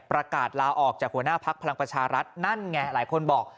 ประกาศลาออกจากหัวหน้าพักพลังประชารัฐนั่นไงหลายคนบอก